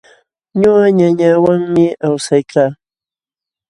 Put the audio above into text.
Ñuqa ñañawanmi awsaykaa.